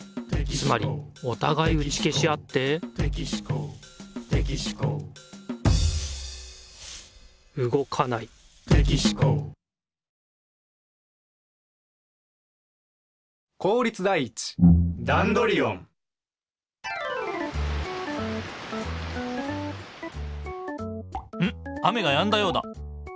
つまりおたがいうちけしあってうごかないんっ雨がやんだようだ。